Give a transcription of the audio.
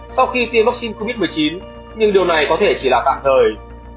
sau khi tiêm vắc xin covid một mươi chín nhưng điều này có thể chỉ là tạm thời